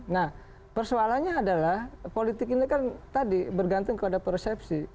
nah persoalannya adalah politik ini kan tadi bergantung kepada persepsi